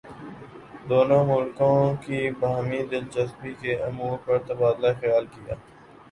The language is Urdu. دونوں ملکوں کی باہمی دلچسپی کے امور پر تبادلہ خیال کیا ہے